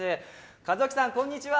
一さんこんにちは！